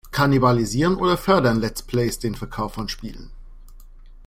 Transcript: Kannibalisieren oder fördern Let's Plays den Verkauf von Spielen?